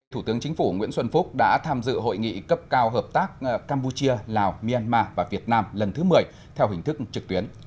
thủ tướng chính phủ nguyễn xuân phúc đã tham dự hội nghị cấp cao hợp tác campuchia lào myanmar và việt nam lần thứ một mươi theo hình thức trực tuyến